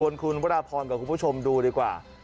ขอบคุณคุณวัตราพรกับคุณผู้ชมดูดีกว่า